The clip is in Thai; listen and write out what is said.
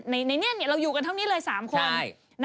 ในนี้เราอยู่กันเท่านี้เลย๓คน